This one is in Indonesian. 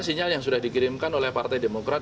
sinyal yang sudah dikirimkan oleh partai demokrat